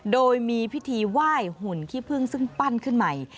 โดยมีพิธีไหว้หุ่นขี้พึ่งซึ่งปั้นขึ้นใหม่